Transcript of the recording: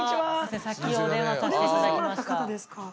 さっきお電話させていただきました。